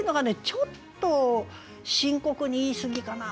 ちょっと深刻に言いすぎかな。